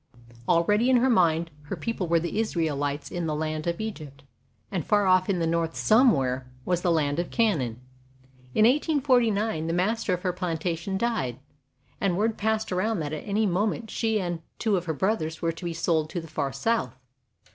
Already in her mind her people were the Israelites in the land of Egypt, and far off in the North somewhere was the land of Canaan. In 1849 the master of her plantation died, and word passed around that at any moment she and two of her brothers were to be sold to the far South.